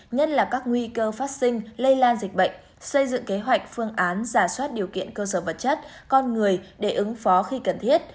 nhất là các nguy cơ phát sinh lây lan dịch bệnh xây dựng kế hoạch phương án giả soát điều kiện cơ sở vật chất con người để ứng phó khi cần thiết